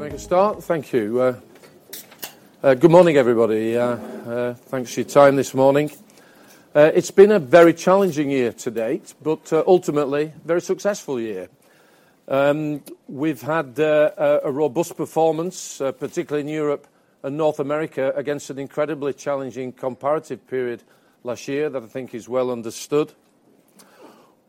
Good morning, everybody. Thanks for your time this morning. It's been a very challenging year to date, but ultimately, a very successful year. We've had a robust performance, particularly in Europe and North America, against an incredibly challenging comparative period last year that I think is well understood.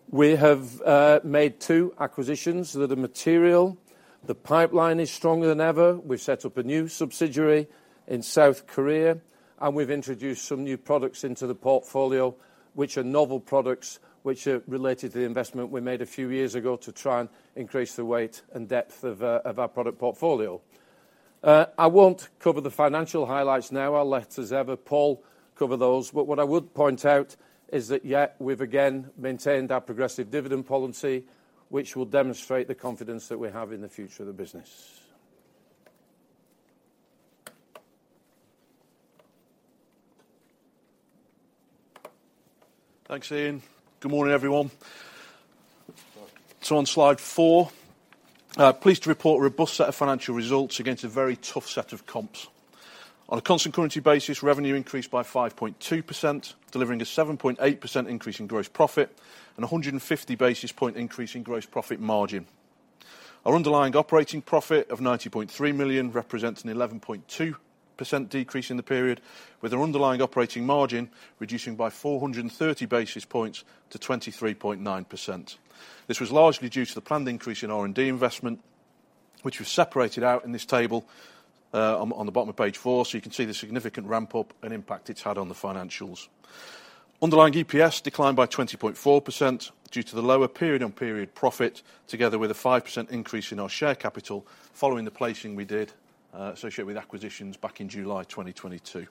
We have made two acquisitions that are material. The pipeline is stronger than ever. We've set up a new subsidiary in South Korea, and we've introduced some new products into the portfolio, which are novel products, which are related to the investment we made a few years ago to try and increase the weight and depth of our product portfolio. I won't cover the financial highlights now. I'll let, as ever, Paul cover those. What I would point out is that yet we've again maintained our progressive dividend policy, which will demonstrate the confidence that we have in the future of the business. Thanks, Ian. Good morning, everyone. On Slide 4, pleased to report a robust set of financial results against a very tough set of comps. On a constant currency basis, revenue increased by 5.2%, delivering a 7.8% increase in gross profit and a 150 basis point increase in gross profit margin. Our underlying operating profit of 90.3 million represents an 11.2% decrease in the period, with our underlying operating margin reducing by 430 basis points to 23.9%. This was largely due to the planned increase in R&D investment, which was separated out in this table, on the bottom of page four, so you can see the significant ramp-up and impact it's had on the financials. Underlying EPS declined by 20.4% due to the lower period-on-period profit, together with a 5% increase in our share capital following the placing we did associated with acquisitions back in July 2022.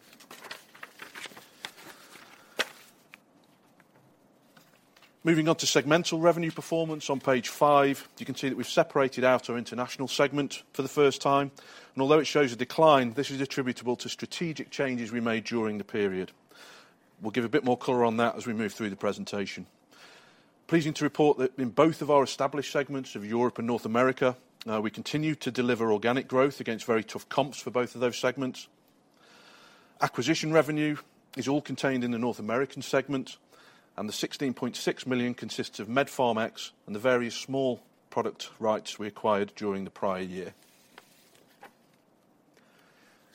Moving on to segmental revenue performance on page 5. You can see that we've separated out our international segment for the first time, and although it shows a decline, this is attributable to strategic changes we made during the period. We'll give a bit more color on that as we move through the presentation. Pleasing to report that in both of our established segments of Europe and North America, we continued to deliver organic growth against very tough comps for both of those segments. Acquisition revenue is all contained in the North American segment. The 16.6 million consists of Med-Pharmex and the various small product rights we acquired during the prior year.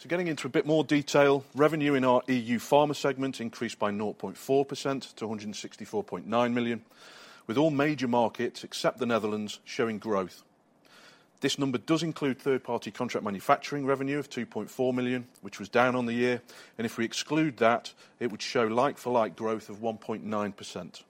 Getting into a bit more detail, revenue in our EU pharma segment increased by 0.4% to 164.9 million, with all major markets except the Netherlands showing growth. This number does include third-party contract manufacturing revenue of 2.4 million, which was down on the year. If we exclude that, it would show like-for-like growth of 1.9%.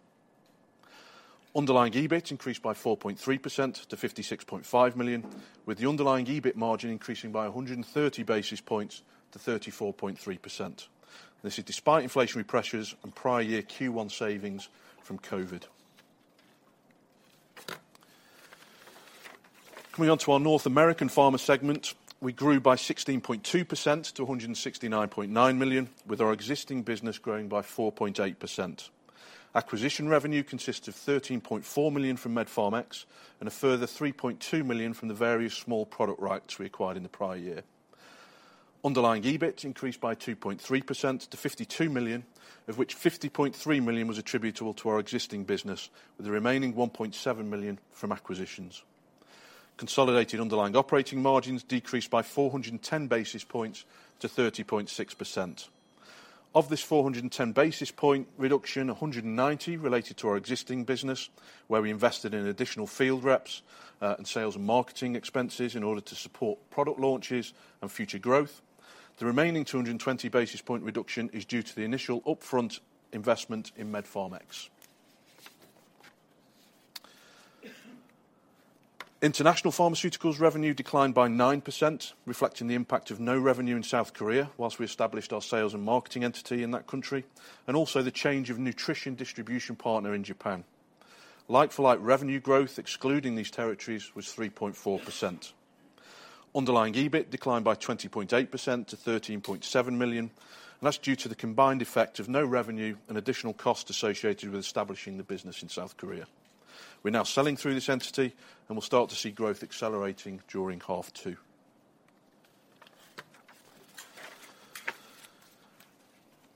Underlying EBIT increased by 4.3% to 56.5 million, with the underlying EBIT margin increasing by 130 basis points to 34.3%. This is despite inflationary pressures and prior year Q1 savings from COVID. Coming on to our North American pharma segment. We grew by 16.2% to 169.9 million, with our existing business growing by 4.8%. Acquisition revenue consists of 13.4 million from Med-Pharmex and a further 3.2 million from the various small product rights we acquired in the prior year. Underlying EBIT increased by 2.3% to 52 million, of which 50.3 million was attributable to our existing business, with the remaining 1.7 million from acquisitions. Consolidated underlying operating margins decreased by 410 basis points to 30.6%. Of this 410 basis point reduction, 190 related to our existing business, where we invested in additional field reps, and sales and marketing expenses in order to support product launches and future growth. The remaining 220 basis point reduction is due to the initial upfront investment in Med-Pharmex. International pharmaceuticals revenue declined by 9%, reflecting the impact of no revenue in South Korea whilst we established our sales and marketing entity in that country, and also the change of nutrition distribution partner in Japan. Like-for-like revenue growth, excluding these territories, was 3.4%. Underlying EBIT declined by 20.8% to 13.7 million, and that's due to the combined effect of no revenue and additional costs associated with establishing the business in South Korea. We're now selling through this entity. We'll start to see growth accelerating during half two.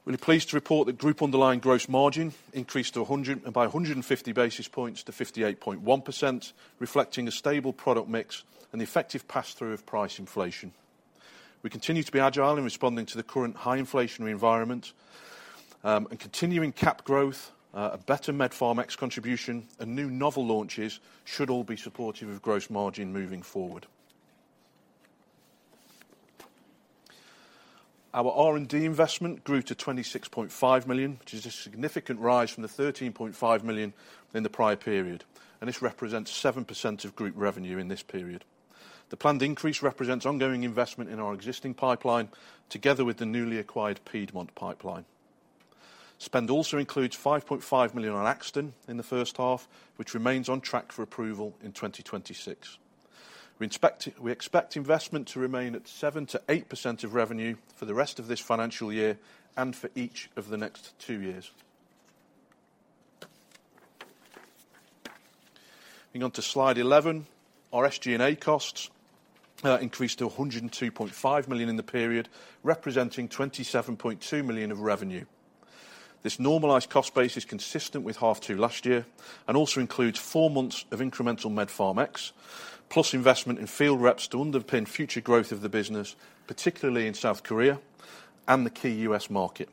Really pleased to report that group underlying gross margin increased by 150 basis points to 58.1%, reflecting a stable product mix and the effective pass-through of price inflation. Continuing CAP growth, a better Med-Pharmex contribution, and new novel launches should all be supportive of gross margin moving forward. Our R&D investment grew to 26.5 million, which is a significant rise from the 13.5 million in the prior period. This represents 7% of group revenue in this period. The planned increase represents ongoing investment in our existing pipeline, together with the newly acquired Piedmont pipeline. Spend also includes 5.5 million on Akston in the first half, which remains on track for approval in 2026. We expect investment to remain at 7%-8% of revenue for the rest of this financial year and for each of the next two years. Moving on to Slide 11. Our SG&A costs increased to 102.5 million in the period, representing 27.2 million of revenue. This normalized cost base is consistent with half two last year, and also includes four months of incremental Med-Pharmex plus investment in field reps to underpin future growth of the business, particularly in South Korea and the key U.S. market.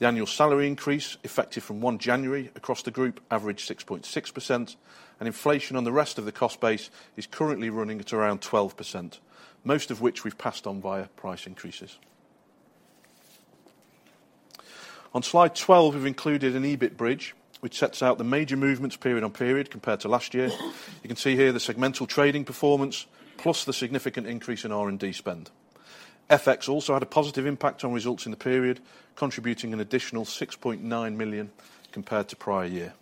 The annual salary increase, effective from 1 January across the group, averaged 6.6%, Inflation on the rest of the cost base is currently running at around 12%, most of which we've passed on via price increases. On Slide 12, we've included an EBIT bridge, which sets out the major movements period on period compared to last year. You can see here the segmental trading performance, plus the significant increase in R&D spend. FX also had a positive impact on results in the period, contributing an additional 6.9 million compared to prior year.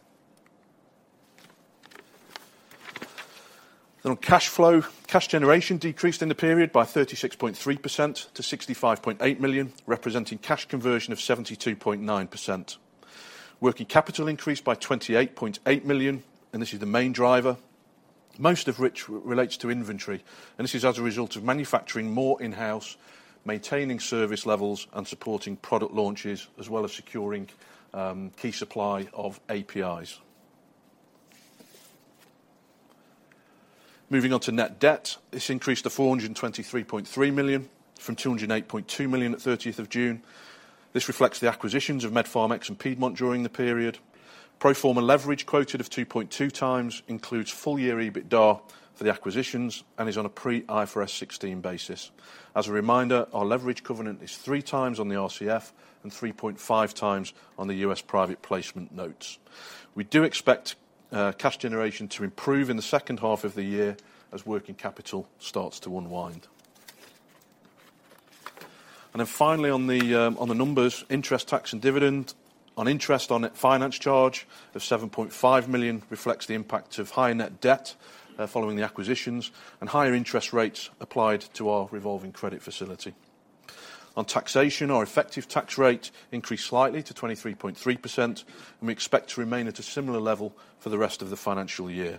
On cash flow, cash generation decreased in the period by 36.3% to 65.8 million, representing cash conversion of 72.9%. Working capital increased by 28.8 million, and this is the main driver, most of which relates to inventory, and this is as a result of manufacturing more in-house, maintaining service levels and supporting product launches, as well as securing key supply of APIs. Moving on to net debt, this increased to 423.3 million from 208.2 million at 30th of June. This reflects the acquisitions of Med-Pharmex and Piedmont during the period. Pro forma leverage quoted of 2.2x includes full year EBITDA for the acquisitions and is on a pre-IFRS 16 basis. As a reminder, our leverage covenant is 3x on the RCF and 3.5x on the US private placement notes. We do expect cash generation to improve in the second half of the year as working capital starts to unwind. Finally on the numbers, interest, tax and dividend. On interest on net finance charge of 7.5 million reflects the impact of higher net debt following the acquisitions and higher interest rates applied to our revolving credit facility. On taxation, our effective tax rate increased slightly to 23.3%, and we expect to remain at a similar level for the rest of the financial year.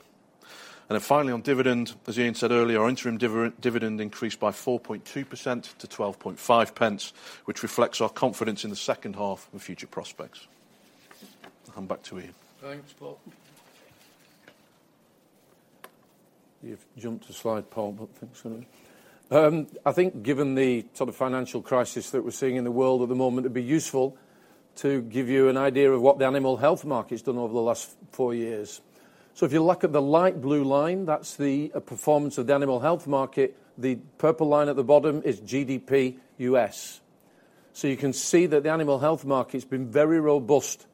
Finally on dividend, as Ian said earlier, our interim dividend increased by 4.2% to 0.125, which reflects our confidence in the second half and future prospects. I'll hand back to Ian. Thanks, Paul. You've jumped a slide, Paul, but that's okay. I think given the sort of financial crisis that we're seeing in the world at the moment, it'd be useful to give you an idea of what the animal health market's done over the last four years. If you look at the light blue line, that's the performance of the animal health market. The purple line at the bottom is GDP U.S. You can see that the animal health market's been very robust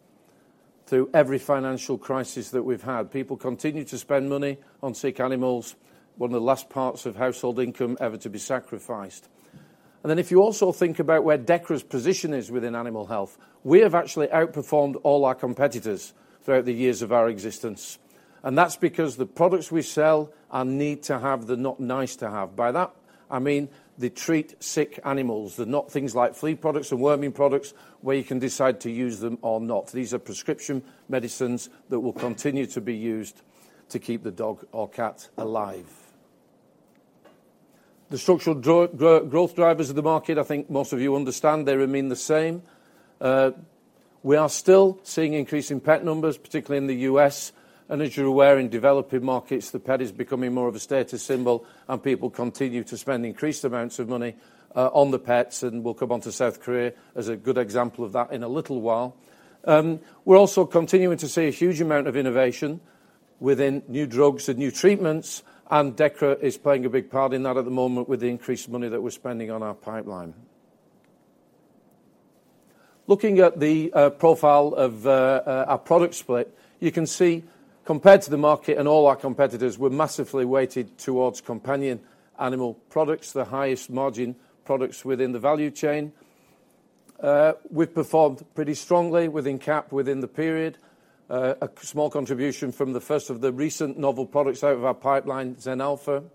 through every financial crisis that we've had. People continue to spend money on sick animals, one of the last parts of household income ever to be sacrificed. If you also think about where Dechra's position is within animal health, we have actually outperformed all our competitors throughout the years of our existence. That's because the products we sell are need to have, they're not nice to have. By that, I mean, they treat sick animals. They're not things like flea products or worming products where you can decide to use them or not. These are prescription medicines that will continue to be used to keep the dog or cat alive. The structural growth drivers of the market, I think most of you understand they remain the same. We are still seeing increase in pet numbers, particularly in the U.S., and as you're aware, in developing markets, the pet is becoming more of a status symbol and people continue to spend increased amounts of money on the pets, and we'll come on to South Korea as a good example of that in a little while. We're also continuing to see a huge amount of innovation within new drugs and new treatments, and Dechra is playing a big part in that at the moment with the increased money that we're spending on our pipeline. Looking at the profile of our product split, you can see compared to the market and all our competitors, we're massively weighted towards companion animal products, the highest margin products within the value chain. We've performed pretty strongly within CAP within the period. A small contribution from the first of the recent novel products out of our pipeline, Zenalpha.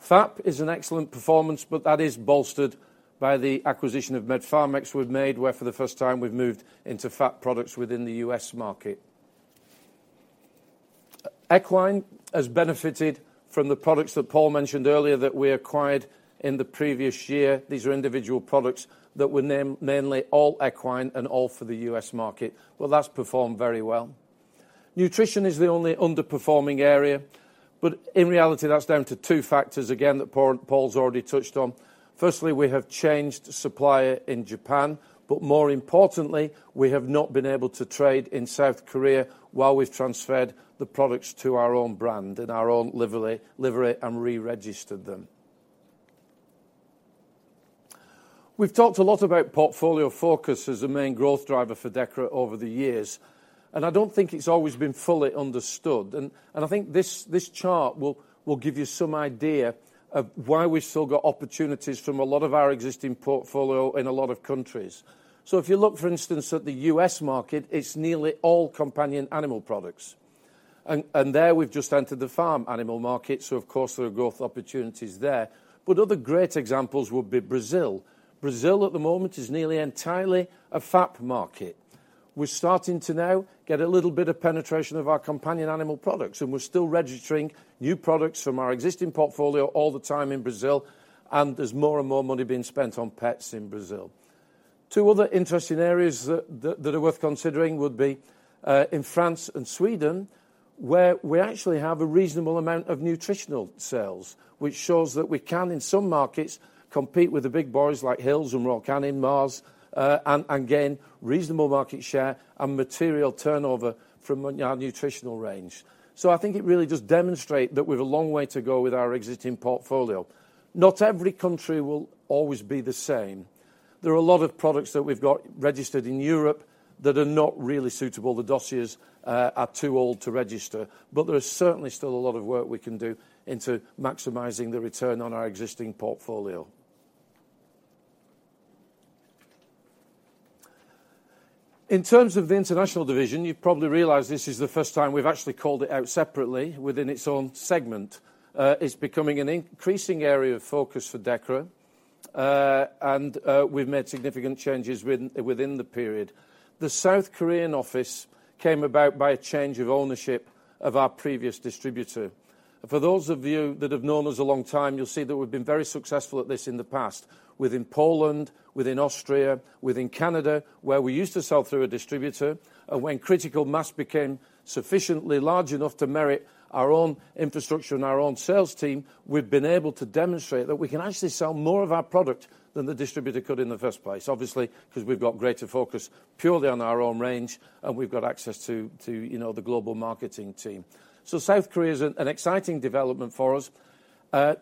FAP is an excellent performance, but that is bolstered by the acquisition of Med-Pharmex we've made, where for the first time we've moved into FAP products within the US market. Equine has benefited from the products that Paul mentioned earlier that we acquired in the previous year. These are individual products that were namely all equine and all for the U.S. market. Well, that's performed very well. Nutrition is the only underperforming area, but in reality, that's down to two factors again that Paul's already touched on. Firstly, we have changed supplier in Japan, but more importantly, we have not been able to trade in South Korea while we've transferred the products to our own brand in our own livery and reregistered them. We've talked a lot about portfolio focus as the main growth driver for Dechra over the years, and I don't think it's always been fully understood. I think this chart will give you some idea of why we've still got opportunities from a lot of our existing portfolio in a lot of countries. If you look, for instance, at the U.S. market, it's nearly all companion animal products. There we've just entered the farm animal market, so of course, there are growth opportunities there. Other great examples would be Brazil. Brazil at the moment is nearly entirely a FAP market. We're starting to now get a little bit of penetration of our companion animal products, and we're still registering new products from our existing portfolio all the time in Brazil, and there's more and more money being spent on pets in Brazil. Two other interesting areas that are worth considering would be in France and Sweden, where we actually have a reasonable amount of nutritional sales, which shows that we can, in some markets, compete with the big boys like Hill's and Royal Canin, Mars, and gain reasonable market share and material turnover from our nutritional range. I think it really does demonstrate that we've a long way to go with our existing portfolio. Not every country will always be the same. There are a lot of products that we've got registered in Europe that are not really suitable. The dossiers are too old to register, but there is certainly still a lot of work we can do into maximizing the return on our existing portfolio. In terms of the international division, you probably realize this is the first time we've actually called it out separately within its own segment. It's becoming an increasing area of focus for Dechra. We've made significant changes within the period. The South Korean office came about by a change of ownership of our previous distributor. For those of you that have known us a long time, you'll see that we've been very successful at this in the past, within Poland, within Austria, within Canada, where we used to sell through a distributor. When critical mass became sufficiently large enough to merit our own infrastructure and our own sales team, we've been able to demonstrate that we can actually sell more of our product than the distributor could in the first place. Obviously, because we've got greater focus purely on our own range, and we've got access to, you know, the global marketing team. South Korea is an exciting development for us.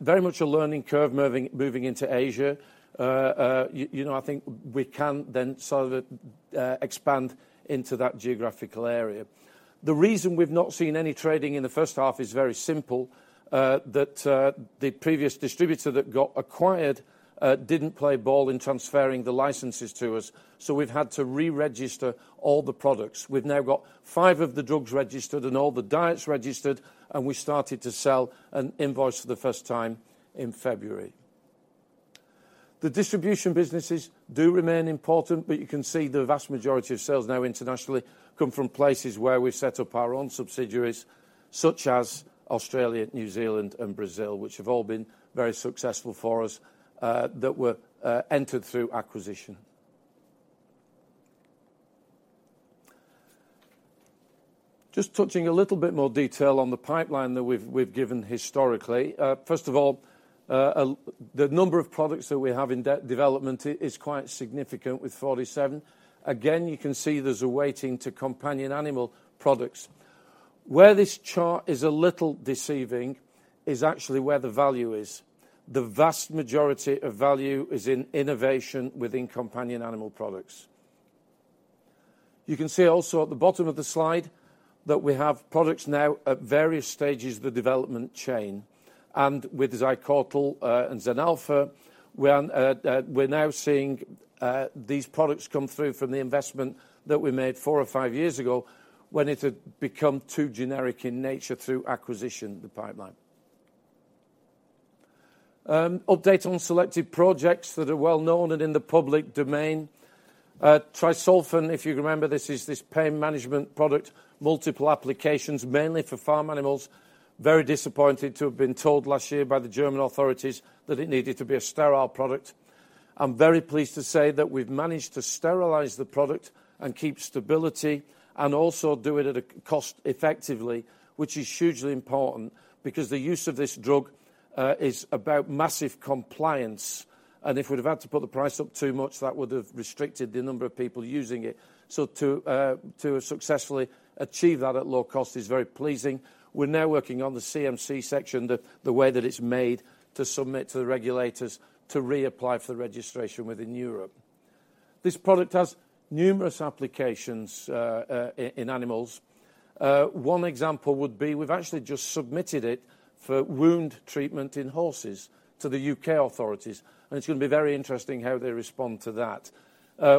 Very much a learning curve moving into Asia. You know, I think we can then sort of expand into that geographical area. The reason we've not seen any trading in the first half is very simple. The previous distributor that got acquired didn't play ball in transferring the licenses to us, so we've had to re-register all the products. We've now got five of the drugs registered and all the diets registered, and we started to sell and invoice for the first time in February. The distribution businesses do remain important, but you can see the vast majority of sales now internationally come from places where we've set up our own subsidiaries, such as Australia, New Zealand and Brazil, which have all been very successful for us, that were entered through acquisition. Just touching a little bit more detail on the pipeline that we've given historically. First of all, the number of products that we have in development is quite significant with 47. Again, you can see there's a weighting to companion animal products. Where this chart is a little deceiving is actually where the value is. The vast majority of value is in innovation within companion animal products. You can see also at the bottom of the slide that we have products now at various stages of the development chain. With Zycortal and Zenalpha, we're now seeing these products come through from the investment that we made four or five years ago when it had become too generic in nature through acquisition of the pipeline. Update on selected projects that are well known and in the public domain. Tri-Solfen, if you remember, this is this pain management product, multiple applications, mainly for farm animals. Very disappointed to have been told last year by the German authorities that it needed to be a sterile product. I'm very pleased to say that we've managed to sterilize the product and keep stability and also do it at a cost effectively, which is hugely important because the use of this drug is about massive compliance. If we'd have had to put the price up too much, that would have restricted the number of people using it. To successfully achieve that at low cost is very pleasing. We're now working on the CMC section, the way that it's made to submit to the regulators to reapply for the registration within Europe. This product has numerous applications in animals. One example would be we've actually just submitted it for wound treatment in horses to the U.K. authorities. It's gonna be very interesting how they respond to that.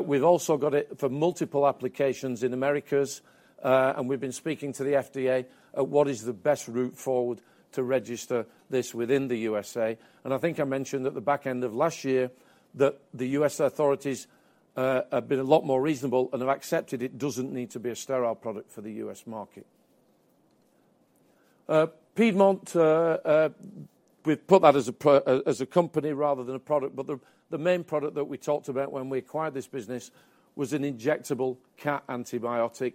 We've also got it for multiple applications in Americas, and we've been speaking to the FDA at what is the best route forward to register this within the USA. I think I mentioned at the back end of last year that the U.S. authorities have been a lot more reasonable and have accepted it doesn't need to be a sterile product for the U.S. market. Piedmont, we've put that as a company rather than a product, but the main product that we talked about when we acquired this business was an injectable cat antibiotic.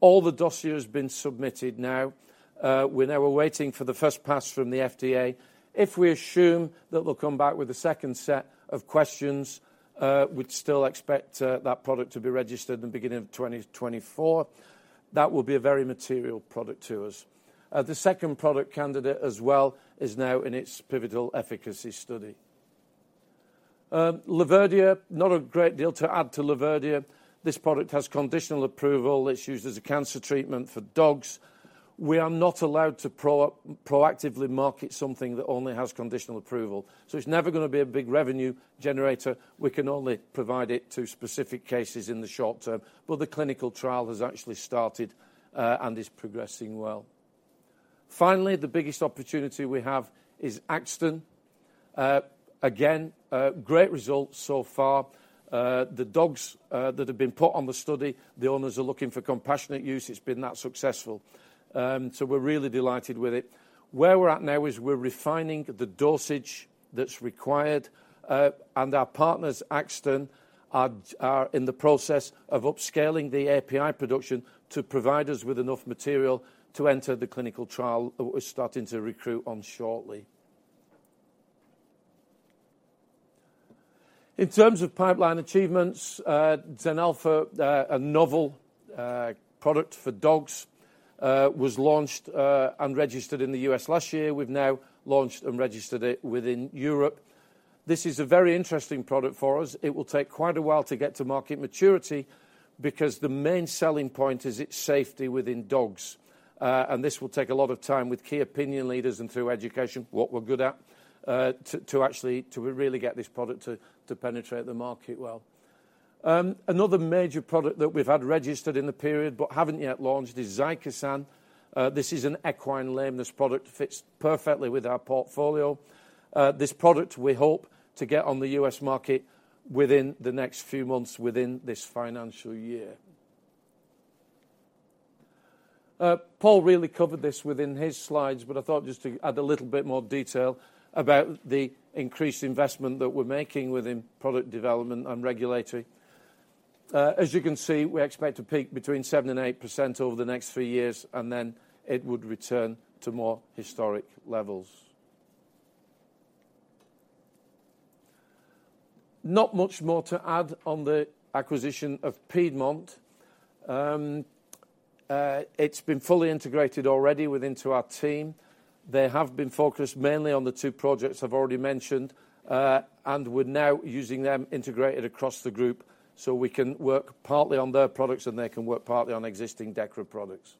All the dossier has been submitted now. We're now waiting for the first pass from the FDA. We assume that they'll come back with a second set of questions, we'd still expect that product to be registered in the beginning of 2024. That will be a very material product to us. The second product candidate as well is now in its pivotal efficacy study. Laverdia, not a great deal to add to Laverdia. This product has conditional approval. It's used as a cancer treatment for dogs. We are not allowed to proactively market something that only has conditional approval, so it's never gonna be a big revenue generator. We can only provide it to specific cases in the short term, but the clinical trial has actually started and is progressing well. Finally, the biggest opportunity we have is Akston. Again, a great result so far. The dogs that have been put on the study, the owners are looking for compassionate use. It's been that successful. We're really delighted with it. Where we're at now is we're refining the dosage that's required, and our partners, Akston, are in the process of upscaling the API production to provide us with enough material to enter the clinical trial that we're starting to recruit on shortly. In terms of pipeline achievements, Zenalpha, a novel product for dogs, was launched and registered in the U.S. last year. We've now launched and registered it within Europe. This is a very interesting product for us. It will take quite a while to get to market maturity because the main selling point is its safety within dogs. This will take a lot of time with key opinion leaders and through education, what we're good at, to really get this product to penetrate the market well. Another major product that we've had registered in the period but haven't yet launched is Zycosan. This is an equine lameness product. Fits perfectly with our portfolio. This product we hope to get on the U.S. market within the next few months within this financial year. Paul really covered this within his slides. I thought just to add a little bit more detail about the increased investment that we're making within product development and regulatory. As you can see, we expect to peak between 7% and 8% over the next three years, and then it would return to more historic levels. Not much more to add on the acquisition of Piedmont. It's been fully integrated already within to our team. They have been focused mainly on the two projects I've already mentioned. We're now using them integrated across the group, so we can work partly on their products, and they can work partly on existing Dechra products.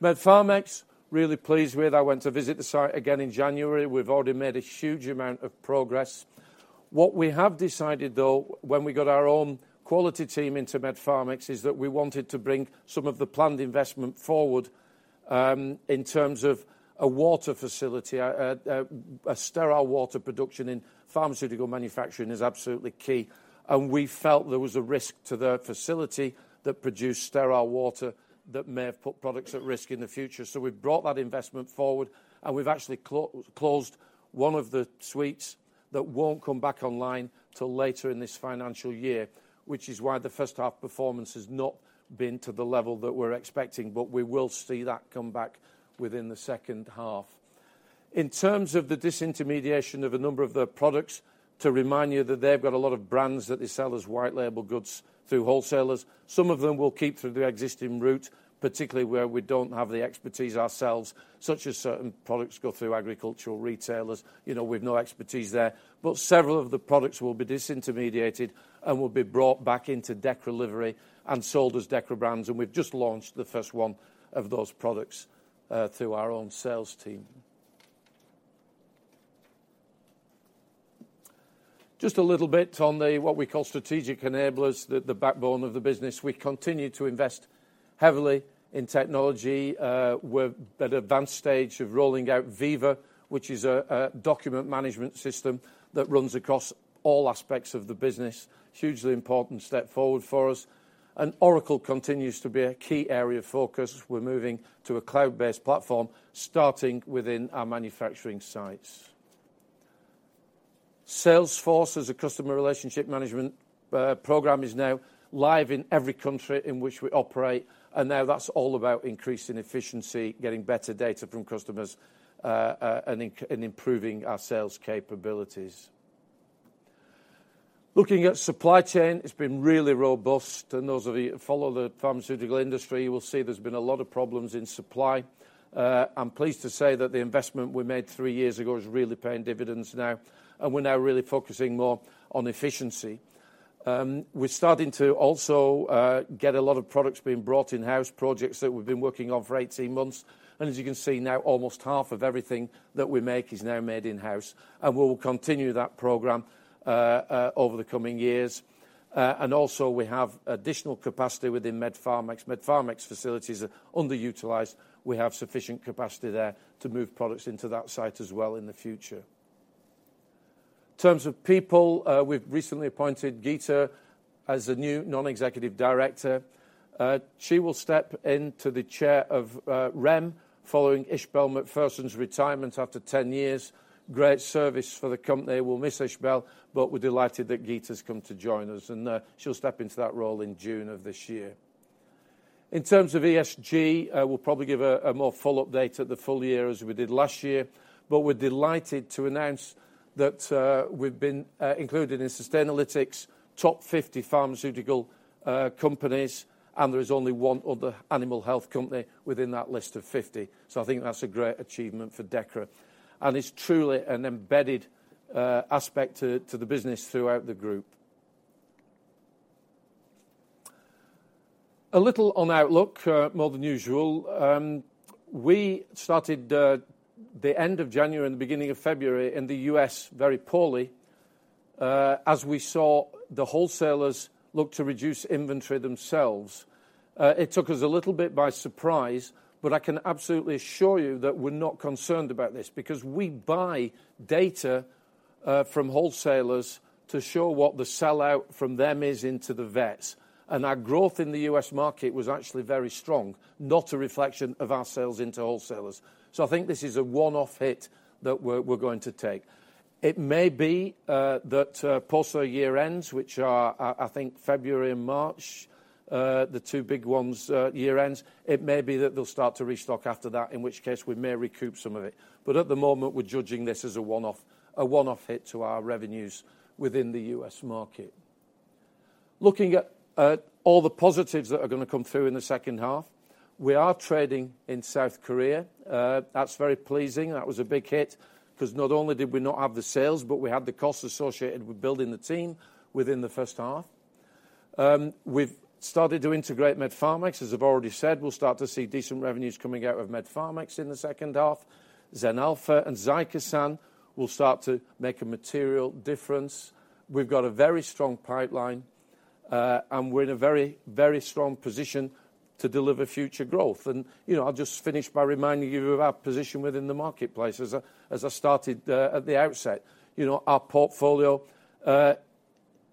Med-Pharmex, really pleased with. I went to visit the site again in January. We've already made a huge amount of progress. What we have decided though, when we got our own quality team into Med-Pharmex, is that we wanted to bring some of the planned investment forward, in terms of a water facility. A sterile water production in pharmaceutical manufacturing is absolutely key, and we felt there was a risk to the facility that produced sterile water that may have put products at risk in the future. We've brought that investment forward, and we've actually closed one of the suites that won't come back online till later in this financial year, which is why the first half performance has not been to the level that we're expecting. We will see that come back within the second half. In terms of the disintermediation of a number of the products, to remind you that they've got a lot of brands that they sell as white label goods through wholesalers. Some of them will keep through the existing route, particularly where we don't have the expertise ourselves, such as certain products go through agricultural retailers. You know, we've no expertise there. Several of the products will be disintermediated and will be brought back into Dechra livery and sold as Dechra brands, and we've just launched the first one of those products through our own sales team. Just a little bit on the what we call strategic enablers, the backbone of the business. We continue to invest heavily in technology. We're at an advanced stage of rolling out Veeva, which is a document management system that runs across all aspects of the business. Hugely important step forward for us. Oracle continues to be a key area of focus. We're moving to a cloud-based platform, starting within our manufacturing sites. Salesforce as a customer relationship management program is now live in every country in which we operate, that's all about increasing efficiency, getting better data from customers, and improving our sales capabilities. Looking at supply chain, it's been really robust. Those of you that follow the pharmaceutical industry will see there's been a lot of problems in supply. I'm pleased to say that the investment we made 3 years ago is really paying dividends now, and we're now really focusing more on efficiency. We're starting to also get a lot of products being brought in-house, projects that we've been working on for 18 months. As you can see now, almost half of everything that we make is now made in-house, and we will continue that program over the coming years. Also, we have additional capacity within Med-Pharmex. Med-Pharmex facilities are underutilized. We have sufficient capacity there to move products into that site as well in the future. In terms of people, we've recently appointed Geeta as the new non-executive director. She will step into the chair of Rem following Ishbel Macpherson's retirement after 10 years. Great service for the company. We'll miss Ishbel, but we're delighted that Geeta's come to join us. She'll step into that role in June of this year. In terms of ESG, we'll probably give a more full update at the full year as we did last year. We're delighted to announce that we've been included in Sustainalytics' top 50 pharmaceutical companies, and there is only one other animal health company within that list of 50. I think that's a great achievement for Dechra, and it's truly an embedded aspect to the business throughout the group. A little on outlook, more than usual. We started the end of January and the beginning of February in the U.S. very poorly. As we saw the wholesalers look to reduce inventory themselves. It took us a little bit by surprise, but I can absolutely assure you that we're not concerned about this, because we buy data from wholesalers to show what the sellout from them is into the vets. Our growth in the U.S. market was actually very strong, not a reflection of our sales into wholesalers. I think this is a one-off hit that we're going to take. It may be that also year ends, which are, I think February and March, the two big ones, year ends. It may be that they'll start to restock after that, in which case we may recoup some of it. At the moment, we're judging this as a one-off, a one-off hit to our revenues within the U.S. market. Looking at all the positives that are gonna come through in the second half, we are trading in South Korea. That's very pleasing. That was a big hit, 'cause not only did we not have the sales, but we had the costs associated with building the team within the first half. We've started to integrate Med-Pharmex, as I've already said. We'll start to see decent revenues coming out of Med-Pharmex in the second half. Zenalpha and Zycosan will start to make a material difference. We've got a very strong pipeline, and we're in a very, very strong position to deliver future growth. You know, I'll just finish by reminding you of our position within the marketplace. As I started at the outset, you know, our portfolio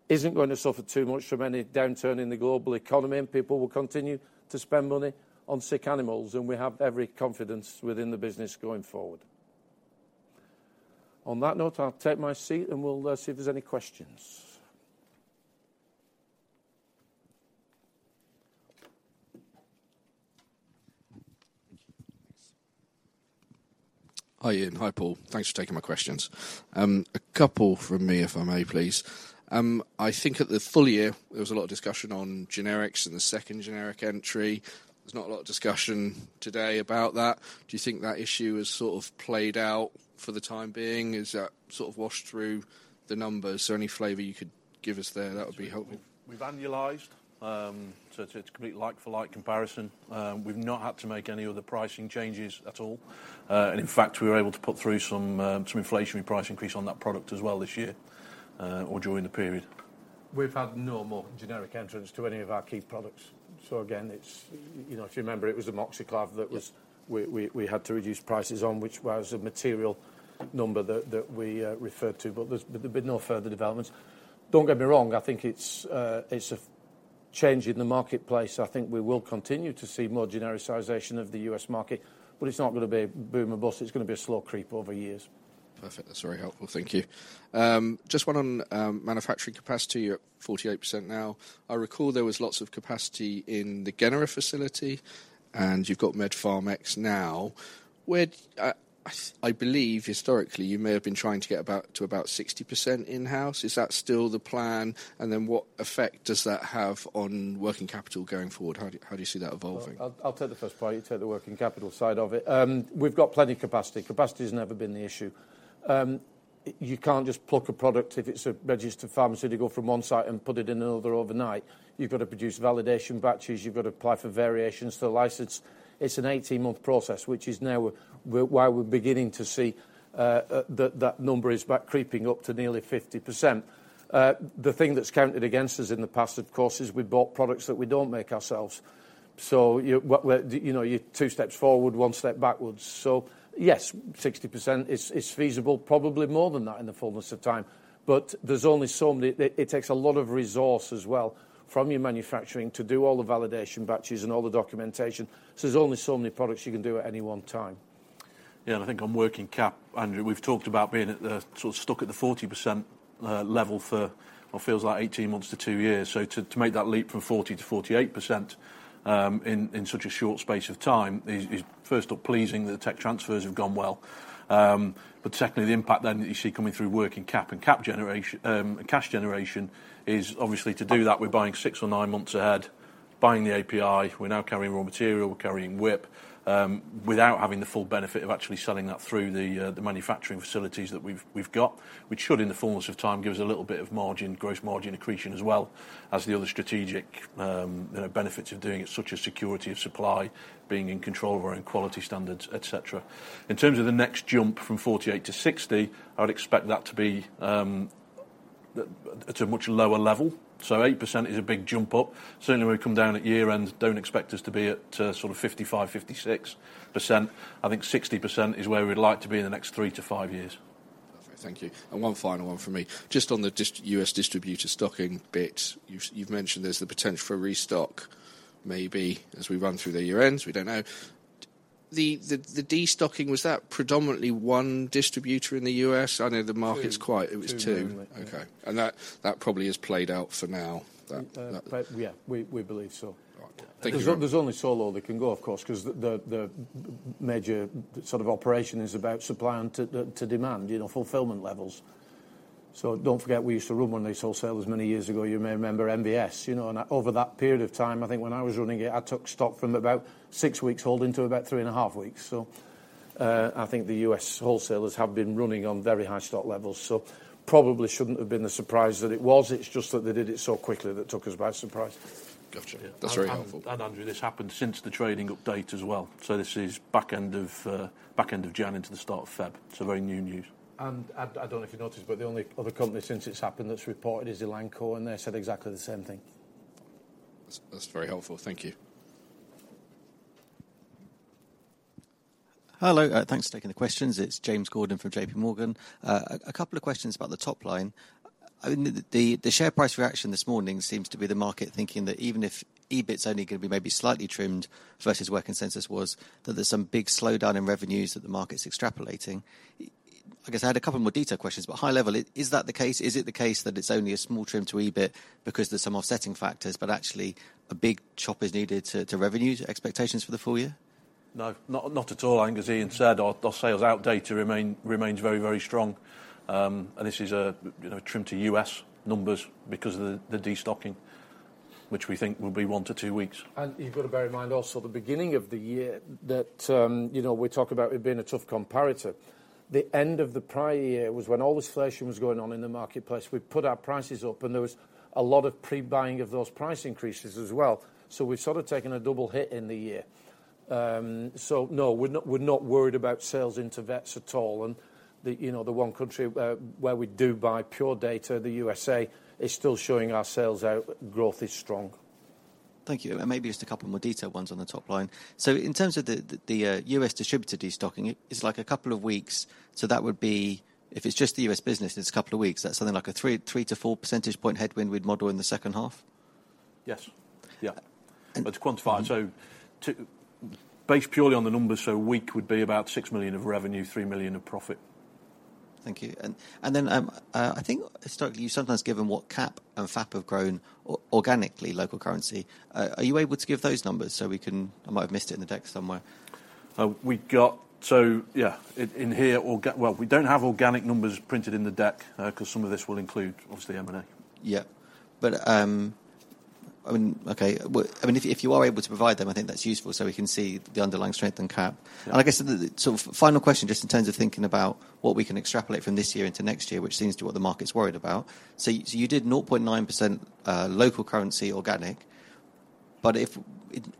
isn't going to suffer too much from any downturn in the global economy. People will continue to spend money on sick animals, and we have every confidence within the business going forward. On that note, I'll take my seat and we'll see if there's any questions. Hi, Ian. Hi, Paul. Thanks for taking my questions. A couple from me, if I may please. I think at the full year there was a lot of discussion on generics and the second generic entry. There's not a lot of discussion today about that. Do you think that issue has sort of played out for the time being? Is that sort of washed through the numbers? Any flavor you could give us there, that would be helpful. We've annualized, so it's a complete like-for-like comparison. We've not had to make any other pricing changes at all. In fact, we were able to put through some inflationary price increase on that product as well this year or during the period. We've had no more generic entrants to any of our key products. Again, it's, you know, if you remember, it was Amoxiclav—we had to reduce prices on, which was a material number that we referred to. There's been no further developments. Don't get me wrong, I think it's a change in the marketplace. I think we will continue to see more genericization of the U.S. market, but it's not gonna be boom and bust. It's gonna be a slow creep over years. Perfect. That's very helpful. Thank you. Just one on manufacturing capacity. You're at 48% now. I recall there was lots of capacity in the Genera facility, and you've got Med-Pharmex now. I believe historically you may have been trying to get about, to about 60% in-house. Is that still the plan? What effect does that have on working capital going forward? How do you see that evolving? I'll take the first part. You take the working capital side of it. We've got plenty capacity. Capacity's never been the issue. You can't just pluck a product if it's a registered pharmaceutical from one site and put it in another overnight. You've got to produce validation batches. You've got to apply for variations to license. It's an 18-month process, which is now why we're beginning to see that number is back creeping up to nearly 50%. The thing that's counted against us in the past, of course, is we bought products that we don't make ourselves. You know, you're two steps forward, one step backwards. Yes, 60% is feasible, probably more than that in the fullness of time. There's only so many— It takes a lot of resource as well from your manufacturing to do all the validation batches and all the documentation. There's only so many products you can do at any one time. Yeah. I think on working cap, Andrew, we've talked about being at the sort of stuck at the 40% level for what feels like 18 months to two years. To make that leap from 40% to 48% in such a short space of time is first off pleasing that the tech transfers have gone well. Secondly, the impact then that you see coming through working cap and cap generation, cash generation is obviously to do that, we're buying six or nine months ahead, buying the API. We're now carrying raw material. We're carrying WIP, without having the full benefit of actually selling that through the manufacturing facilities that we've got, which should, in the fullness of time, give us a little bit of margin, gross margin accretion, as well as the other strategic, you know, benefits of doing it, such as security of supply, being in control of our own quality standards, et cetera. In terms of the next jump from 48 to 60, I would expect that to be at a much lower level. 8% is a big jump up. Certainly, when we come down at year-end, don't expect us to be at sort of 55%-56%. I think 60% is where we'd like to be in the next three to five years. Perfect. Thank you. One final one from me. Just on the US distributor stocking bit, you've mentioned there's the potential for a restock maybe as we run through the year-ends. We don't know. The destocking, was that predominantly one distributor in the US? I know the market's quiet. Two. It was two. Two, mainly. Yeah. Okay. That probably has played out for now. Yeah, we believe so. All right. Thank you. There's only so low they can go, of course, 'cause the major sort of operation is about supply and to demand, you know, fulfillment levels. Don't forget, we used to run one of these wholesalers many years ago. You may remember MBS, you know. Over that period of time, I think when I was running it, I took stock from about six weeks holding to about three and a half weeks. I think the U.S. wholesalers have been running on very high stock levels. Probably shouldn't have been the surprise that it was. It's just that they did it so quickly that took us by surprise. Gotcha. That's very helpful. Andrew, this happened since the trading update as well. This is back end of, back end of January into the start of February. Very new news. I don't know if you noticed, but the only other company since it's happened that's reported is Elanco, and they said exactly the same thing. That's very helpful. Thank you. Hello. Thanks for taking the questions. It's James Gordon from J.P. Morgan. A couple of questions about the top line. I mean the share price reaction this morning seems to be the market thinking that even if EBIT's only gonna be maybe slightly trimmed versus where consensus was, that there's some big slowdown in revenues that the market's extrapolating. I guess I had a couple more detailed questions. High level, is that the case? Is it the case that it's only a small trim to EBIT because there's some offsetting factors, but actually a big chop is needed to revenues expectations for the full year? No. Not at all. I think as Ian said, our sales out data remains very, very strong. This is a, you know, trim to US numbers because of the destocking, which we think will be one to two weeks. You've got to bear in mind also the beginning of the year that, you know, we talk about it being a tough comparator. The end of the prior year was when all this inflation was going on in the marketplace. We'd put our prices up, and there was a lot of pre-buying of those price increases as well. We've sort of taken a double hit in the year. No, we're not, we're not worried about sales into vets at all. The, you know, the one country, where we do buy pure data, the USA, is still showing our sales out growth is strong. Thank you. Maybe just a couple more detailed ones on the top line. In terms of the US distributor destocking, it is like a couple of weeks, so that would be, if it's just the US business and it's a couple of weeks, that's something like a 3-4 percentage point headwind we'd model in the second half? Yes. Yeah. And— To quantify. Based purely on the numbers, a week would be about 6 million of revenue, 3 million of profit. Thank you. I think historically you've sometimes given what CAP and FAP have grown organically local currency. Are you able to give those numbers so we can? I might have missed it in the deck somewhere. Yeah, in here, Well, we don't have organic numbers printed in the deck, 'cause some of this will include obviously M&A. Yeah. I mean, okay. Well, I mean, if you are able to provide them, I think that's useful so we can see the underlying strength in CAP. I guess the final question just in terms of thinking about what we can extrapolate from this year into next year, which seems to be what the market's worried about. You did 0.9% local currency organic.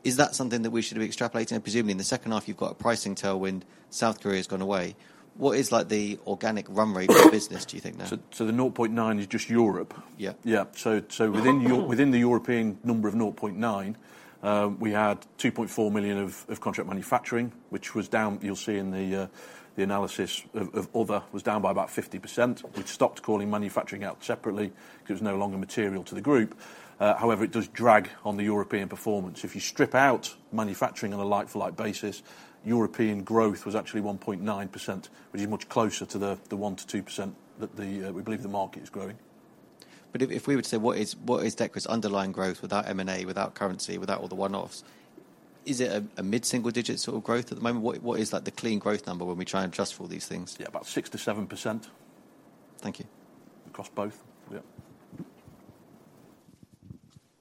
Is that something that we should be extrapolating? Presumably in the second half you've got a pricing tailwind, South Korea has gone away. What is like the organic run rate of the business do you think now? The 0.9 is just Europe. Yeah. Within the European number of 0.9, we had 2.4 million of contract manufacturing, which was down, you'll see in the analysis of other, was down by about 50%. We've stopped calling manufacturing out separately because it's no longer material to the group. It does drag on the European performance. If you strip out manufacturing on a like-for-like basis, European growth was actually 1.9%, which is much closer to the 1%-2% that we believe the market is growing. if we were to say what is Dechra's underlying growth without M&A, without currency, without all the one-offs, is it a mid-single digit sort of growth at the moment? What is like the clean growth number when we try and adjust for all these things? Yeah, about 6%-7%. Thank you. Across both. Yeah.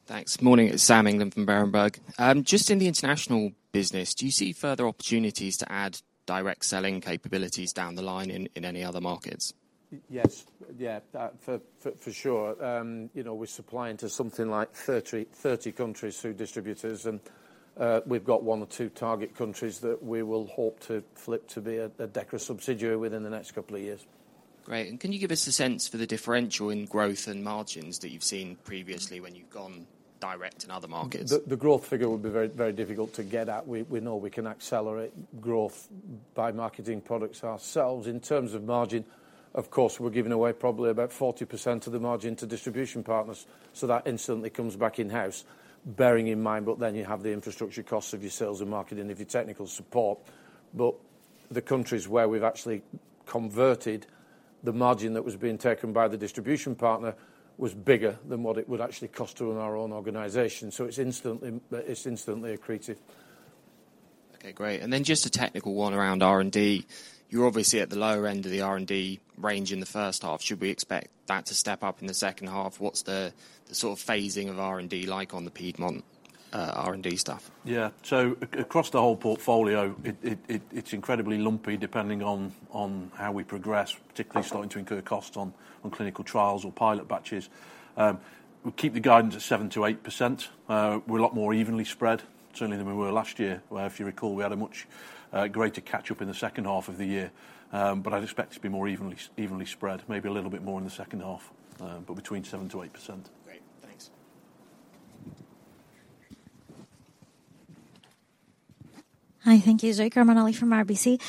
Thanks. Morning. It's Sam England from Berenberg. Just in the international business, do you see further opportunities to add direct selling capabilities down the line in any other markets? Yes. Yeah. That for sure. You know, we're supplying to something like 30 countries through distributors. We've got one or two target countries that we will hope to flip to be a Dechra subsidiary within the next couple of years. Great. Can you give us a sense for the differential in growth and margins that you've seen previously when you've gone direct in other markets? The growth figure would be very, very difficult to get at. We know we can accelerate growth by marketing products ourselves. In terms of margin, of course, we're giving away probably about 40% of the margin to distribution partners, so that instantly comes back in-house. Bearing in mind, you have the infrastructure costs of your sales and marketing of your technical support. The countries where we've actually converted the margin that was being taken by the distribution partner was bigger than what it would actually cost to run our own organization. It's instantly accretive. Okay, great. Just a technical one around R&D. You're obviously at the lower end of the R&D range in the first half. Should we expect that to step up in the second half? What's the sort of phasing of R&D like on the Piedmont R&D stuff? Across the whole portfolio, it's incredibly lumpy depending on how we progress, particularly starting to incur costs on clinical trials or pilot batches. We'll keep the guidance at 7%-8%. We're a lot more evenly spread certainly than we were last year, where if you recall, we had a much greater catch-up in the second half of the year. I'd expect to be more evenly spread, maybe a little bit more in the second half. Between 7%-8%. Great. Thanks. Hi. Thank you. Zoe Karamanoli from RBC.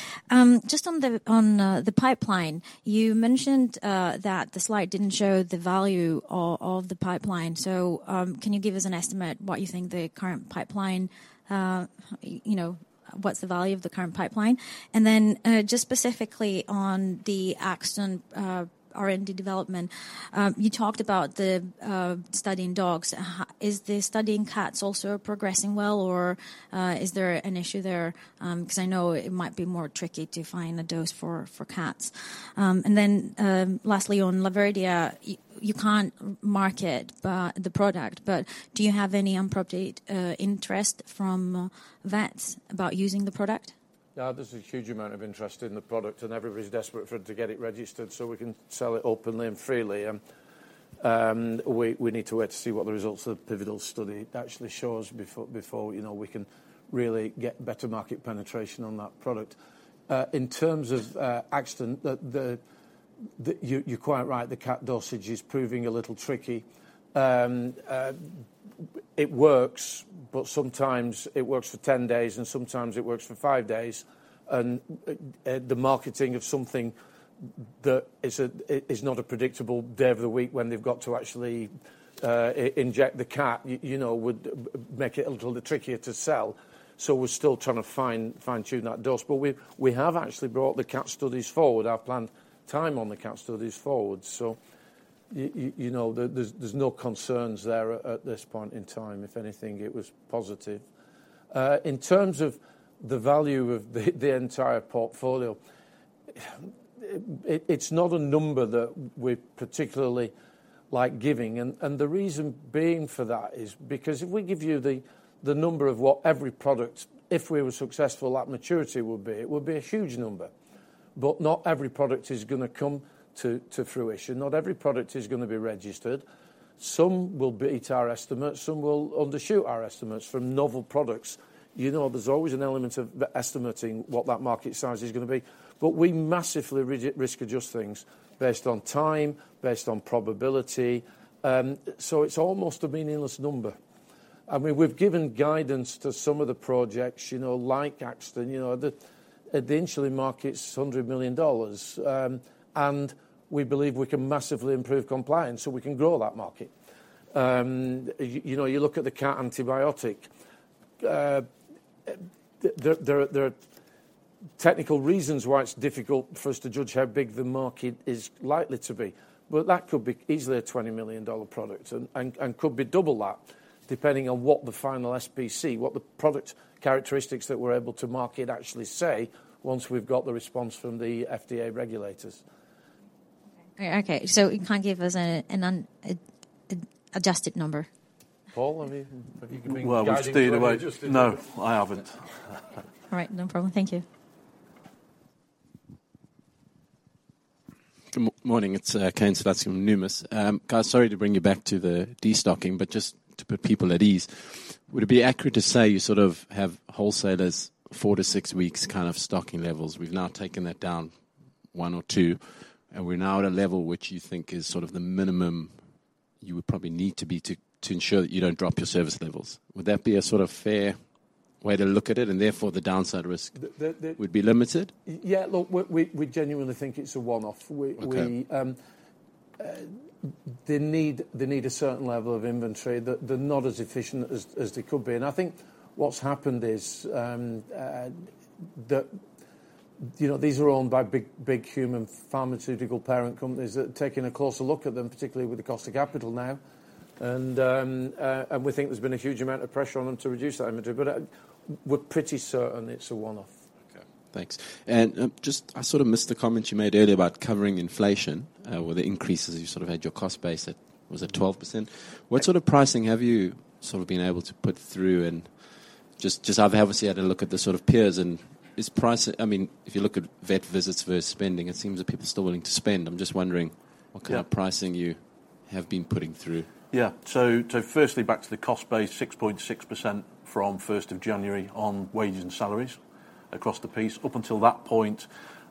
Just on the pipeline, you mentioned that the slide didn't show the value of the pipeline. Can you give us an estimate what you think the current pipeline, you know, what's the value of the current pipeline? Just specifically on the Akston R&D development, you talked about the studying dogs. Is the studying cats also progressing well, or is there an issue there? 'Cause I know it might be more tricky to find a dose for cats. Lastly, on Laverdia-CA1, you can't market the product, but do you have any update, interest from vets about using the product? Yeah, there's a huge amount of interest in the product, and everybody's desperate for it to get it registered so we can sell it openly and freely. We need to wait to see what the results of the pivotal study actually shows before, you know, we can really get better market penetration on that product. In terms of Akston. You're quite right, the cat dosage is proving a little tricky. It works, but sometimes it works for 10 days, and sometimes it works for five days. The marketing of something that is not a predictable day of the week when they've got to actually inject the cat, you know, would make it a little bit trickier to sell. We're still trying to fine-tune that dose. We have actually brought the cat studies forward, our planned time on the cat studies forward. You know, there's no concerns there at this point in time. If anything, it was positive. In terms of the value of the entire portfolio, it's not a number that we particularly like giving. The reason being for that is because if we give you the number of what every product, if we were successful, at maturity would be, it would be a huge number. Not every product is gonna come to fruition. Not every product is gonna be registered. Some will beat our estimates, some will undershoot our estimates from novel products. You know, there's always an element of estimating what that market size is gonna be. We massively risk-adjust things based on time, based on probability, so it's almost a meaningless number. I mean, we've given guidance to some of the projects, you know, like Akston. You know, the insulin market's $100 million, and we believe we can massively improve compliance, so we can grow that market. You know, you look at the cat antibiotic. There are technical reasons why it's difficult for us to judge how big the market is likely to be. That could be easily a $20 million product and could be double that depending on what the final SPC, what the product characteristics that we're able to market actually say once we've got the response from the FDA regulators. Okay. You can't give us an adjusted number? Paul, have you been guiding? Well, we've steered away. No, I haven't. All right, no problem. Thank you. Good morning. It's Kane Slutzkin from Numis. Guys, sorry to bring you back to the destocking, but just to put people at ease, would it be accurate to say you sort of have wholesalers 4-6 weeks kind of stocking levels? We've now taken that down one or two, and we're now at a level which you think is sort of the minimum you would probably need to be to ensure that you don't drop your service levels. Would that be a sort of fair way to look at it, and therefore, the downside risk would be limited? Yeah. Look, we genuinely think it's a one-off. Okay. We, they need a certain level of inventory. They're not as efficient as they could be. I think what's happened is, you know, these are owned by big human pharmaceutical parent companies that are taking a closer look at them, particularly with the cost of capital now. We think there's been a huge amount of pressure on them to reduce that inventory. We're pretty certain it's a one-off. Okay, thanks. Just I sort of missed the comment you made earlier about covering inflation, or the increases you sort of had your cost base at. Was it 12%? What sort of pricing have you sort of been able to put through? Just out of curiosity, I had a look at the sort of peers and is price—I mean, if you look at vet visits versus spending, it seems that people are still willing to spend. I'm just wondering what kind of pricing you have been putting through. Firstly, back to the cost base, 6.6% from 1st of January on wages and salaries across the piece. Up until that point,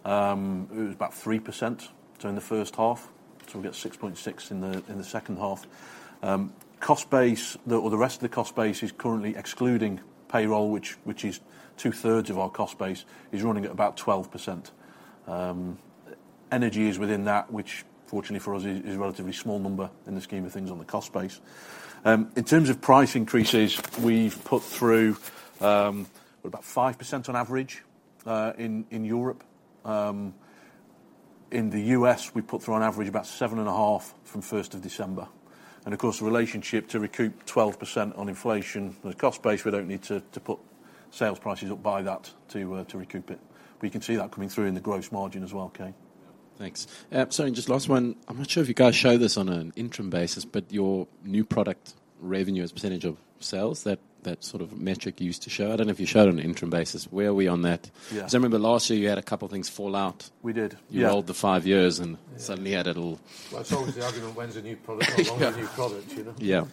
it was about 3% in the first half. We've got 6.6% in the second half. Cost base, or the rest of the cost base is currently excluding payroll, which is two-thirds of our cost base, is running at about 12%. Energy is within that, which fortunately for us is a relatively small number in the scheme of things on the cost base. In terms of price increases, we've put through about 5% on average in Europe. In the US, we put through on average about 7.5% from 1st of December. Of course, the relationship to recoup 12% on inflation with cost base, we don't need to put sales prices up by that to recoup it. You can see that coming through in the gross margin as well, Kane. Yeah. Thanks. Sorry, just last one. I'm not sure if you guys show this on an interim basis, but your new product revenue as % of sales, that sort of metric you used to show. I don't know if you show it on an interim basis. Where are we on that? Yeah. 'Cause I remember last year you had a couple of things fall out. We did, yeah. You rolled the five years suddenly had it all. Well, it's always the argument, when's a new product no longer a new product, you know? Yeah.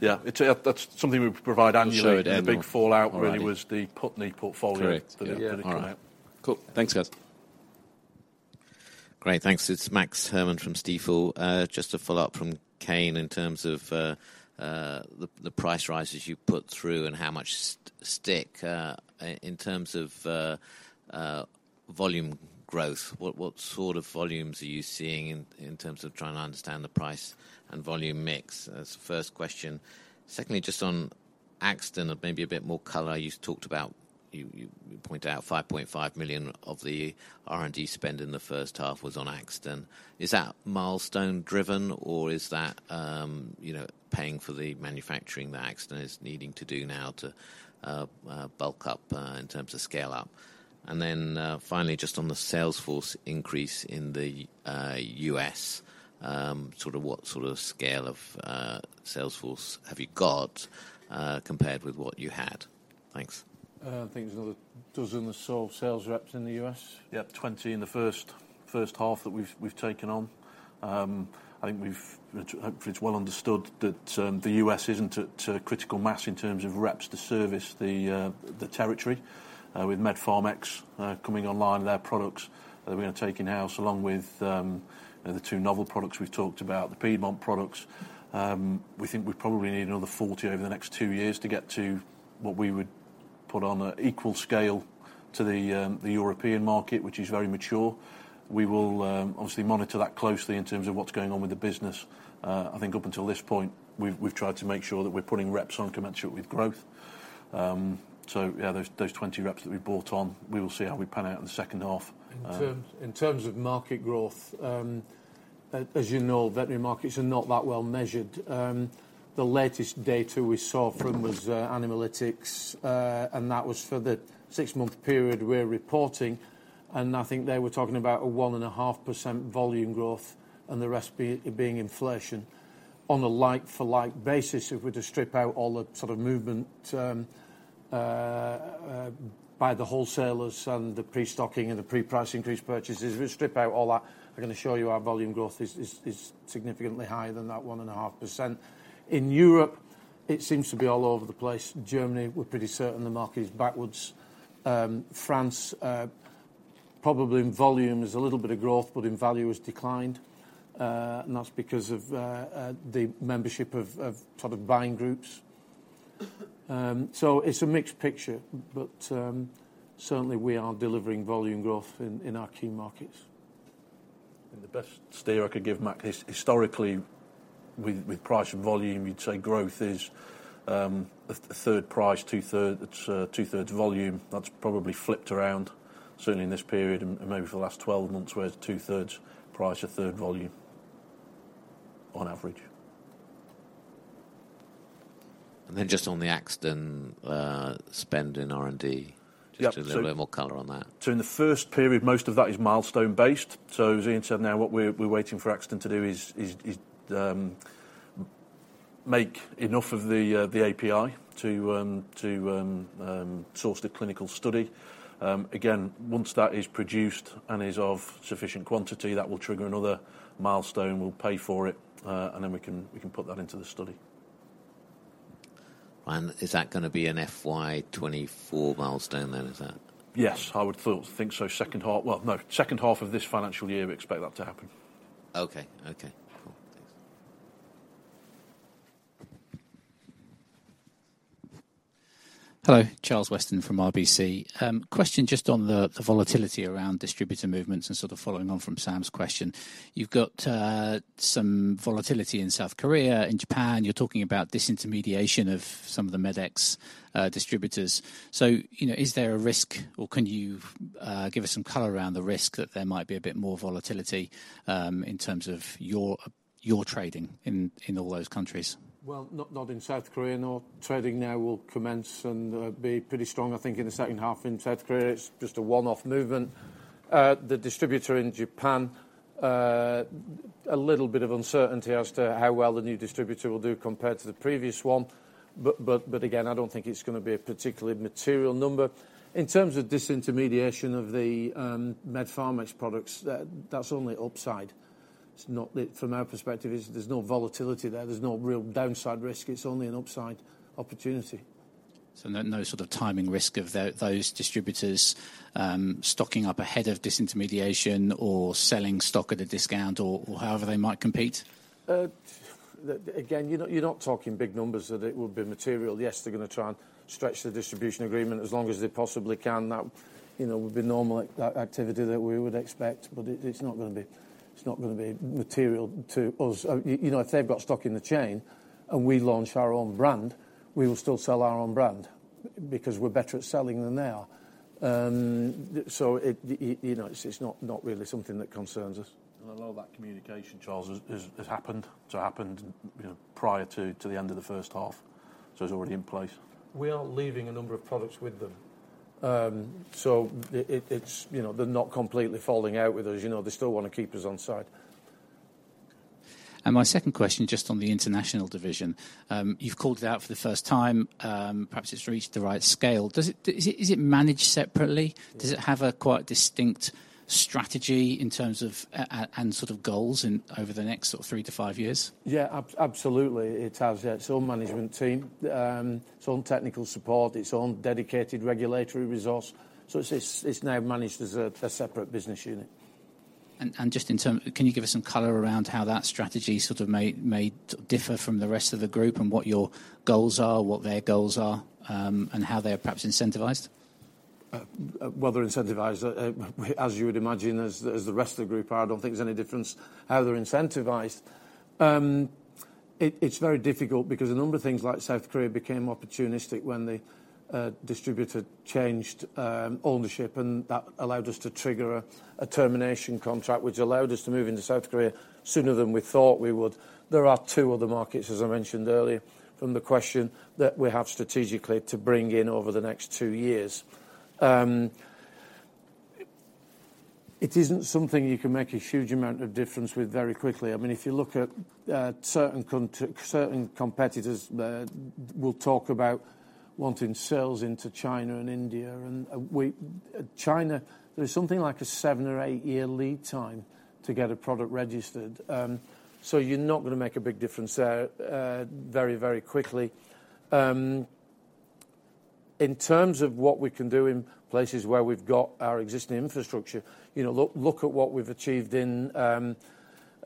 Yeah. It's, that's something we provide annually. You'll show it at the end. The big fallout really was the Putney portfolio— Correct. Yeah. All right. That didn't come out. Cool. Thanks, guys. Great. Thanks. It's Max Herrmann from Stifel. Just to follow up from Kane in terms of the price rises you put through and how much stick in terms of volume growth. What sort of volumes are you seeing in terms of trying to understand the price and volume mix? That's the first question. Secondly, just on Akston, maybe a bit more color. You talked about, you point out 5.5 million of the R&D spend in the first half was on Akston. Is that milestone driven or is that, you know, paying for the manufacturing that Akston is needing to do now to bulk up in terms of scale up? Finally, just on the sales force increase in the U.S., sort of what sort of scale of sales force have you got, compared with what you had? Thanks. I think there's another dozen or so sales reps in the US. Yeah. 20 in the first half that we've taken on. I think hopefully it's well understood that the U.S. isn't to critical mass in terms of reps to service the territory with Med-Pharmex coming online with their products that we're gonna take in-house along with the two novel products we've talked about, the Piedmont products. We think we probably need another 40 over the next two years to get to what we would put on an equal scale to the European market, which is very mature. We will obviously monitor that closely in terms of what's going on with the business. I think up until this point, we've tried to make sure that we're putting reps on commensurate with growth. Yeah, those 20 reps that we brought on, we will see how we pan out in the second half. In terms of market growth, as you know, veterinary markets are not that well measured. The latest data we saw from was Animalytix, and that was for the 6-month period we're reporting. I think they were talking about a 1.5% volume growth and the rest being inflation. On a like-for-like basis, if we're to strip out all the sort of movement by the wholesalers and the pre-stocking and the pre-price increase purchases, if we strip out all that, I can assure you our volume growth is significantly higher than that 1.5%. In Europe, it seems to be all over the place. Germany, we're pretty certain the market is backwards. France, probably in volume there's a little bit of growth, but in value has declined. That's because of the membership of sort of buying groups. It's a mixed picture, but certainly we are delivering volume growth in our key markets. The best steer I could give, Max, is historically with price and volume, you'd say growth is a third price, two-thirds volume. That's probably flipped around, certainly in this period and maybe for the last 12 months, where it's two-thirds price to third volume on average. Just on the Akston spend in R&D. Yeah. Just a little more color on that. In the first period, most of that is milestone based. As Ian said, now what we're waiting for Akston to do is make enough of the API to source the clinical study. Again, once that is produced and is of sufficient quantity, that will trigger another milestone. We'll pay for it, and then we can put that into the study. Is that gonna be an FY 2024 milestone then, is that? I would think so. Well, no, second half of this financial year, we expect that to happen. Okay. Okay, cool. Thanks. Hello, Charles Weston from RBC. Question just on the volatility around distributor movements and sort of following on from Sam's question. You've got some volatility in South Korea. In Japan, you're talking about disintermediation of some of the MedEx distributors. You know, is there a risk or can you give us some color around the risk that there might be a bit more volatility in terms of your trading in all those countries? Well, not in South Korea. No trading now will commence and be pretty strong, I think, in the second half in South Korea. It's just a one-off movement. The distributor in Japan, a little bit of uncertainty as to how well the new distributor will do compared to the previous one. Again, I don't think it's gonna be a particularly material number. In terms of disintermediation of the Med-Pharmex products, that's only upside. From our perspective, there's no volatility there. There's no real downside risk. It's only an upside opportunity. No sort of timing risk of those distributors, stocking up ahead of disintermediation or selling stock at a discount or however they might compete? Again, you're not, you're not talking big numbers that it would be material. Yes, they're gonna try and stretch the distribution agreement as long as they possibly can. That, you know, would be normal activity that we would expect. It's not gonna be, it's not gonna be material to us. You know, if they've got stock in the chain and we launch our own brand, we will still sell our own brand because we're better at selling than they are. It, you know, it's not really something that concerns us. A lot of that communication, Charles, has happened, you know, prior to the end of the first half. It's already in place. We are leaving a number of products with them. It's, you know, they're not completely falling out with us. You know, they still wanna keep us on side. My second question, just on the international division. You've called it out for the first time, perhaps it's reached the right scale. Is it managed separately? Does it have a quite distinct strategy in terms of and sort of goals in, over the next sort of 3-5 years? Yeah, absolutely. It has, yeah. Its own management team, its own technical support, its own dedicated regulatory resource. It's now managed as a separate business unit. Just in term, can you give us some color around how that strategy sort of may differ from the rest of the group and what your goals are, what their goals are, and how they are perhaps incentivized? Well, they're incentivized, as you would imagine, as the rest of the group are. I don't think there's any difference how they're incentivized. It's very difficult because a number of things like South Korea became opportunistic when the distributor changed ownership, and that allowed us to trigger a termination contract, which allowed us to move into South Korea sooner than we thought we would. There are two other markets, as I mentioned earlier, from the question that we have strategically to bring in over the next two years. It isn't something you can make a huge amount of difference with very quickly. I mean, if you look at certain competitors, we'll talk about wanting sales into China and India. We China, there's something like a seven or eight year lead time to get a product registered, so you're not gonna make a big difference there, very, very quickly. In terms of what we can do in places where we've got our existing infrastructure, you know, look at what we've achieved in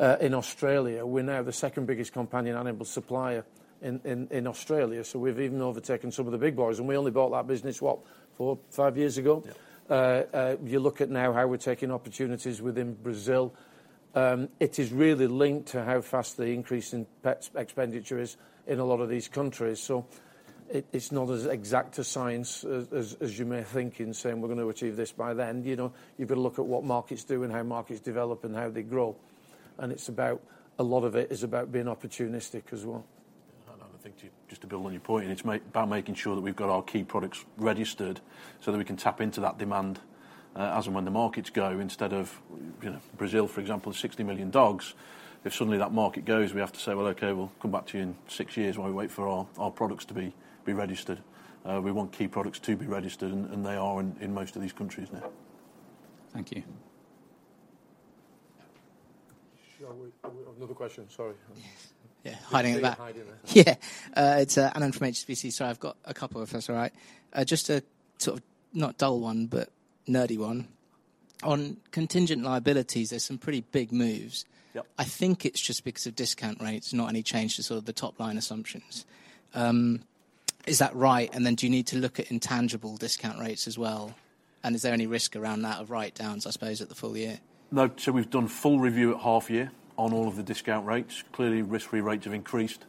Australia. We're now the second-biggest companion animal supplier in Australia. We've even overtaken some of the big boys, we only bought that business, what, four, five years ago? You look at now how we're taking opportunities within Brazil. It is really linked to how fast the increase in pets expenditure is in a lot of these countries. It's not as exact a science as you may think in saying we're gonna achieve this by then, you know? You've got to look at what markets do and how markets develop and how they grow, and it's about, a lot of it is about being opportunistic as well. I think to, just to build on your point, it's by making sure that we've got our key products registered so that we can tap into that demand as and when the markets go. Instead of, you know, Brazil, for example, has 60 million dogs. If suddenly that market goes, we have to say, "Well, okay, we'll come back to you in six years while we wait for our products to be registered." We want key products to be registered, and they are in most of these countries now. Thank you. Another question. Sorry. Yeah, hiding at the back. Yeah. It's Alan from HSBC. Sorry, I've got a couple if that's all right. Just a sort of, not dull one, but nerdy one. On contingent liabilities, there's some pretty big moves. Yep. I think it's just because of discount rates, not any change to sort of the top-line assumptions. Is that right? Then do you need to look at intangible discount rates as well? Is there any risk around that of writedowns, I suppose, at the full year? No. We've done a full review at half year on all of the discount rates. Clearly, risk-free rates have increased,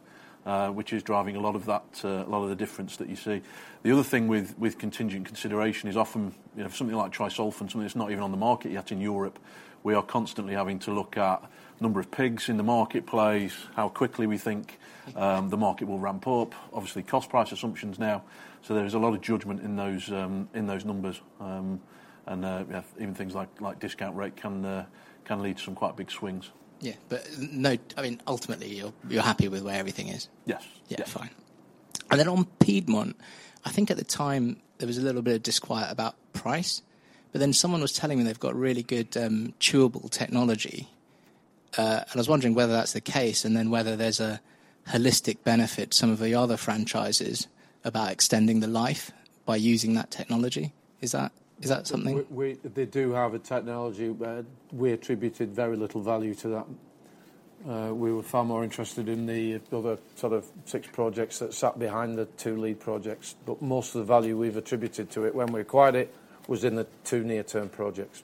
which is driving a lot of that, a lot of the difference that you see. The other thing with contingent consideration is often, you know, something like Tri-Solfen and something that's not even on the market yet in Europe, we are constantly having to look at number of pigs in the marketplace, how quickly we think, the market will ramp up. Obviously, cost price assumptions now. There is a lot of judgment in those, in those numbers. Yeah, even things like discount rate can lead to some quite big swings. Yeah. no, I mean, ultimately you're happy with where everything is? Yes. Yeah. Fine. On Piedmont, I think at the time there was a little bit of disquiet about price, someone was telling me they've got really good chewable technology. I was wondering whether that's the case, whether there's a holistic benefit, some of the other franchises, about extending the life by using that technology. Is that something- They do have a technology, but we attributed very little value to that. We were far more interested in the other sort of six projects that sat behind the two lead projects, but most of the value we've attributed to it when we acquired it was in the two near-term projects.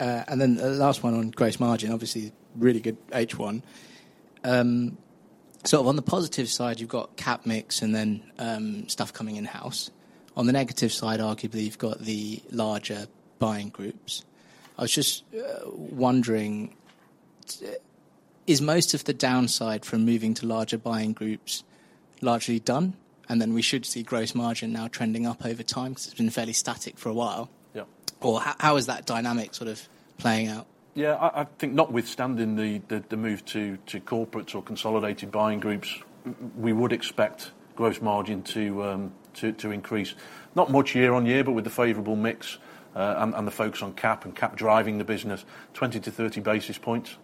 Last one on gross margin, obviously really good H1. On the positive side, you've got CAP mix and then stuff coming in-house. On the negative side, arguably, you've got the larger buying groups. I was just wondering, is most of the downside from moving to larger buying groups largely done? We should see gross margin now trending up over time, because it's been fairly static for a while. Yeah. How is that dynamic sort of playing out? Yeah, I think notwithstanding the move to corporates or consolidated buying groups, we would expect gross margin to increase. Not much year-on-year, but with the favorable mix, and the focus on CAP and CAP driving the business 20 to 30 basis points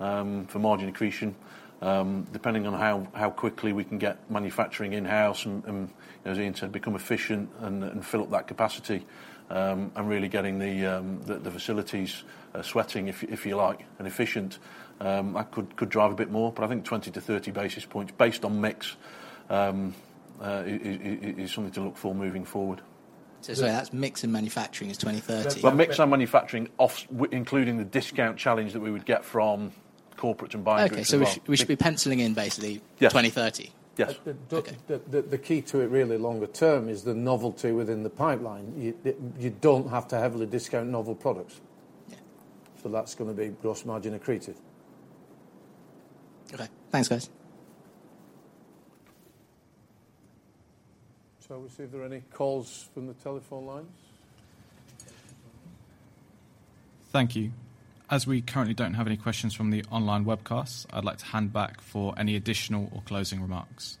for margin accretion, depending on how quickly we can get manufacturing in-house and, as Ian said, become efficient and fill up that capacity, and really getting the facilities sweating if you like, and efficient, that could drive a bit more. I think 20 to 30 basis points based on mix is something to look for moving forward. That's mix and manufacturing is 20, 30. Well, mix and manufacturing including the discount challenge that we would get from corporates and buying groups as well. Okay. We should be penciling in. Yeah. 20, 30. Yeah. Okay. The key to it really longer term is the novelty within the pipeline. You don't have to heavily discount novel products. Yeah. That's gonna be gross margin accretive. Okay. Thanks, guys. Shall we see if there are any calls from the telephone lines? Thank you. As we currently don't have any questions from the online webcast, I'd like to hand back for any additional or closing remarks.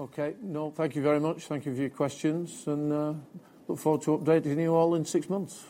Okay. No, thank you very much. Thank you for your questions. Look forward to updating you all in six months.